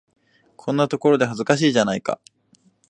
こんなところで、恥ずかしいじゃないか。